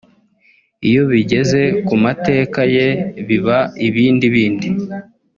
Iyo bigeze ku mateka ye biba ibindi bindi